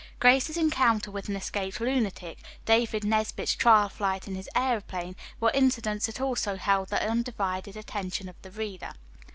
Grace's encounter with an escaped lunatic, David Nesbit's trial flight in his aeroplane, were incidents that also held the undivided attention of the reader.